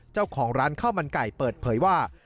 เจ้าของร้านข้าวมันไก่เปิดเผยว่า